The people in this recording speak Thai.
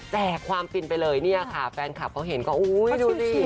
แจกความฟินไปเลยเนี่ยค่ะแฟนคลับเขาเห็นก็อุ้ยดูสิ